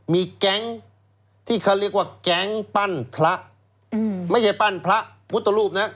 มีแก๊งที่เขาเรียกว่าแก๊งปั้นพระไม่ใช่ปั้นพระพุทธรูปนะ